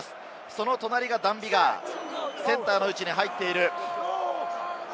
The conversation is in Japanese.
その隣がダン・ビガー、センターの位置に入っている。